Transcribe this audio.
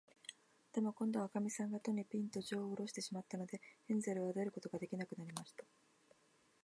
でも、こんどは、おかみさんが戸に、ぴんと、じょうをおろしてしまったので、ヘンゼルは出ることができなくなりました。